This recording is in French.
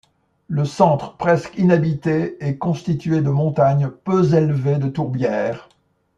Le centre, presque inhabité, est constitué de montagnes peu élevées, de tourbières.